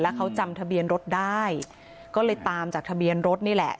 เขาจำทะเบียนรถได้ก็เลยตามจากทะเบียนรถนี่แหละ